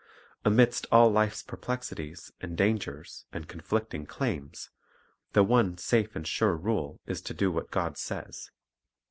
Amidst all life's perplexities and dangers and conflicting claims, the one safe and sure rule is to do what God says.